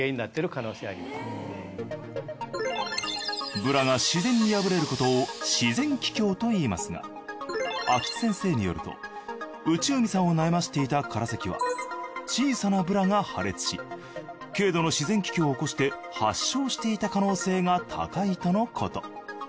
ブラが自然に破れることを自然気胸と言いますが秋津先生によると内海さんを悩ませていたからせきは小さなブラが破裂し軽度の自然気胸を起こして発症していた可能性が高いとのこと。